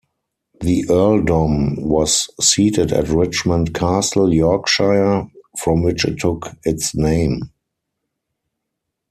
The earldom was seated at Richmond Castle, Yorkshire, from which it took its name.